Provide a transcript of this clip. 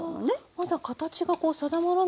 まだ形が定まらないうちに。